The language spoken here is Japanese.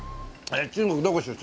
中国どこ出身？